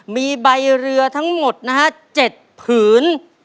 มีใบเรือทั้งหมดนะฮะ๗ผืน